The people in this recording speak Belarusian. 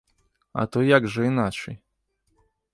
А то як жа іначай?